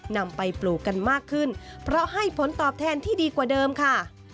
นำไปปลูกกันมากขึ้นเพราะให้ผลตอบแทนที่ดีกว่าเดิมค่ะ